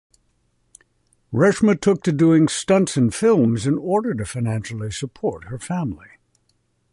Reshma took to doing stunts in films in order to financially support her family.